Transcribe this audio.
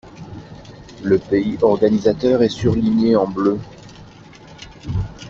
Le pays organisateur est surligné en bleu.